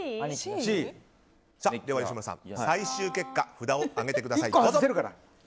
吉村さん、最終結果札を上げてください。